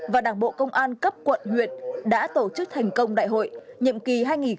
và đảng bộ công an cấp quận huyện đã tổ chức thành công đại hội nhiệm kỳ hai nghìn hai mươi hai nghìn hai mươi năm